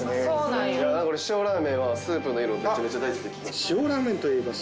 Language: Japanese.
俺塩ラーメンはスープの色めちゃめちゃ大事って。